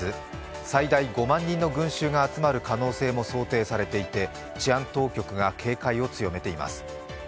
最大５万人の群衆が集まる可能性も想定されていて治安当局が警戒を強めています。